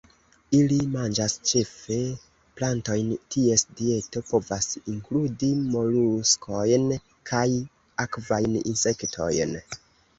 Ili manĝas ĉefe plantojn; ties dieto povas inkludi moluskojn kaj akvajn insektojn.